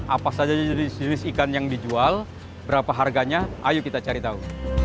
apa saja jenis jenis ikan yang dijual berapa harganya ayo kita cari tahu